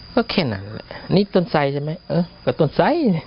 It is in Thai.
ก็แค่นั้นแหละนี่ต้นไสใช่ไหมเออก็ต้นไส้นี่